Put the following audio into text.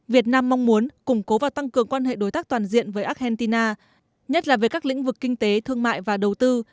việt nam mong muốn củng cố và tăng cường quan hệ đối tác toàn diện với argentina nhất là về các lĩnh vực kinh tế thương mại và đầu tư